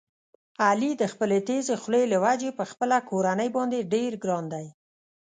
علي د خپلې تېزې خولې له وجې په خپله کورنۍ باندې ډېر ګران دی.